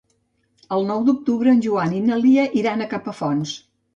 El nou d'octubre en Joan i na Lia iran a Capafonts.